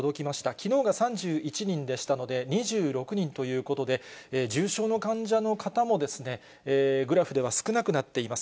きのうが３１人でしたので、２６人ということで、重症の患者の方も、グラフでは少なくなっています。